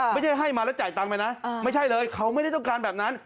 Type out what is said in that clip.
ไม่ใช่ให้มาแล้วจ่ายตังค์ไปนะไม่ใช่เลยเขาไม่ได้ต้องการแบบนั้น